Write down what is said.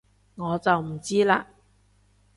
我就唔知喇